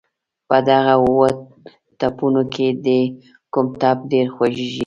په دغه اووه ټپونو کې دې کوم ټپ ډېر خوږېږي.